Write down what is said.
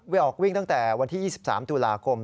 ออกวิ่งตั้งแต่วันที่๒๓ตุลาคม